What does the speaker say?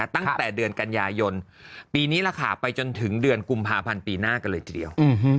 ตั้งแต่เดือนกันยายนปีนี้แหละค่ะไปจนถึงเดือนกุมภาพันธ์ปีหน้ากันเลยทีเดียว